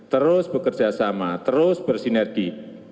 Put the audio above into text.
terus bekerja sama terus bersinergi